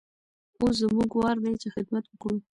اوس زموږ وار دی چې خدمت وکړو.